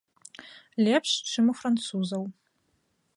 Лепш, чым у французаў.